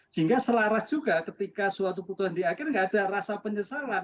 sehingga selaras juga ketika suatu putusan di akhir tidak ada rasa penyesalan